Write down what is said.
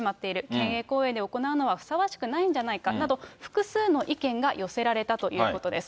県営公園で行うのはふさわしくないんじゃないかなど、複数の意見が寄せられたということです。